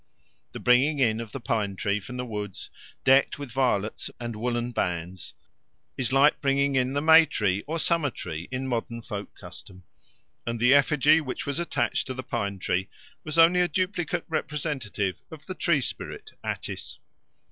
The bringing in of the pine tree from the woods, decked with violets and woollen bands, is like bringing in the May tree or Summer tree in modern folk custom; and the effigy which was attached to the pine tree was only a duplicate representative of the tree spirit Attis.